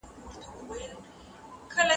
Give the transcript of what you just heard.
که انلاین مواد واضح وي، شک نه پاته کېږي.